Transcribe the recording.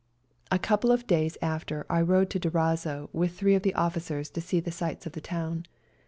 A couple of days after I rode into Durazzo with three of the officers to see the sights of the town.